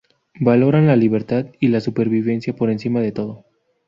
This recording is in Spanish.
Valoran la libertad y la supervivencia por encima de todo.